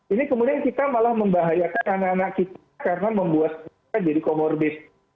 ini kemudian kita malah membahayakan anak anak kita karena membuat kita jadi comorbid